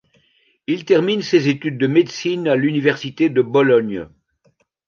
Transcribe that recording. Il termine ses études de médecine à l'université de Bologne.